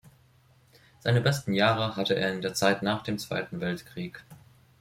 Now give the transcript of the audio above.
Seine besten Jahre hatte er in der Zeit nach dem Zweiten Weltkrieg.